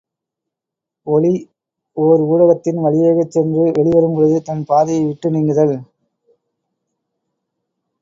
ஒளி ஒர் ஊடகத்தின் வழியாகச் சென்று வெளிவரும் பொழுது தன் பாதையை விட்டு நீங்குதல்.